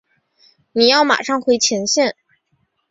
你要马上回前线。